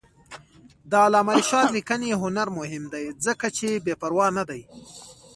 د علامه رشاد لیکنی هنر مهم دی ځکه چې بېپروا نه دی.